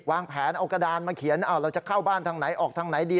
วางแผนเอากระดานมาเขียนเราจะเข้าบ้านทางไหนออกทางไหนดี